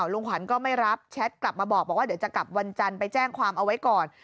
ลุงขวัญก็ไม่รับแชทกลับมาบอกว่าเดี๋ยวจะกลับวันจันทร์ไปแจ้งความเอาไว้ก่อน